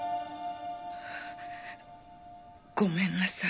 ごめんなさい。